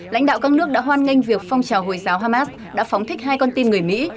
lãnh đạo các nước đã hoan nghênh việc phong trào hồi giáo hamas đã phóng thích hai con tim người mỹ